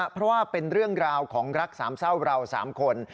เพราะว่าเป็นเรื่องราวของรักสามเศร้าเรา๓คน